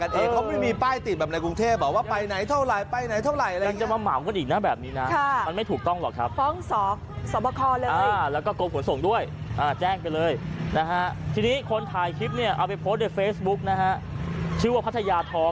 ชื่อว่าพัทยาทอล์กนะ